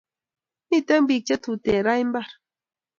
Miten pik che tuten raa imbar